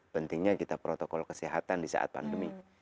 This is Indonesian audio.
pentingnya kita protokol kesehatan di saat pandemi